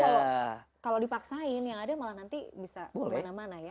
kalau dipaksain yang ada malah nanti bisa kemana mana ya